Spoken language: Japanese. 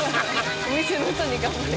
お店の人に「頑張れ」。